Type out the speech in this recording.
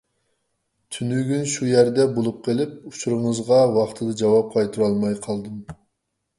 تۈنۈگۈن شۇ يەردە بولۇپ قېلىپ، ئۇچۇرىڭىزغا ۋاقتىدا جاۋاب قايتۇرالماي قالدىم.